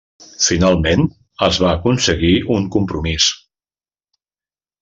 Finalment es va aconseguir un compromís.